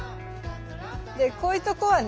でこういうとこはね